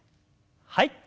はい。